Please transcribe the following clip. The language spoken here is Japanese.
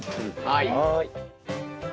はい。